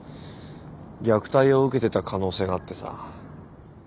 虐待を受けてた可能性があってさ。